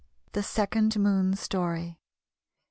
THE SECOND MOON STORY MR.